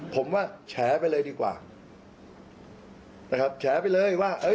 ผมว่าแฉไปเลยดีกว่านะครับแฉไปเลยว่าเออ